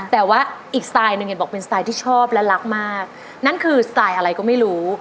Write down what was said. แต่ว่าอีกสไตล์หนึ่งเห็นบอกเป็นสไตล์ที่ชอบและรักมากนั่นคือสไตล์อะไรก็ไม่รู้